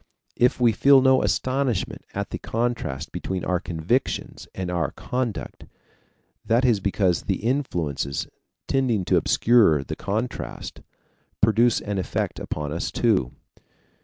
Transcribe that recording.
If we feel no astonishment at the contrast between our convictions and our conduct, that is because the influences, tending to obscure the contrast, produce an effect upon us too.